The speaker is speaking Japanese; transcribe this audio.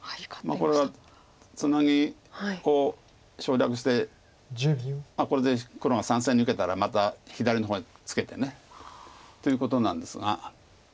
これはツナギを省略してこれで黒が３線に受けたらまた左の方へツケてということなんですが。